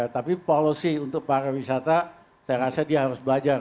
tapi policy untuk para wisata saya rasa dia harus belajar